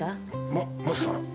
ママスター！？